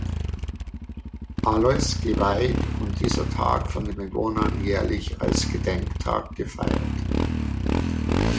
Alois geweiht und dieser Tag von den Bewohnern jährlich als Gedenktag gefeiert.